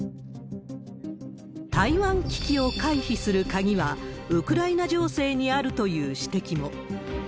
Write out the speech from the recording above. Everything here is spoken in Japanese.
台湾危機を回避する鍵は、ウクライナ情勢にあるという指摘も。